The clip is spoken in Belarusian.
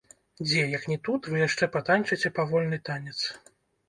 Дзе, як ні тут, вы яшчэ патанчыце павольны танец?